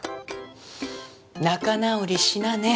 仲直りしなね